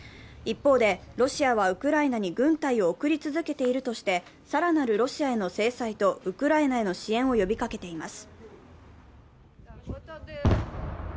一方で、ロシアはウクライナに軍隊を送り続けているとして更なるロシアへの制裁とウクライナへの支援を呼びかけています。